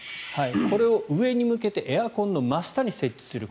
これを上に向けてエアコンの真下に設置する。